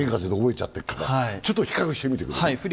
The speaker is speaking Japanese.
ちょっと比較してみてくれる？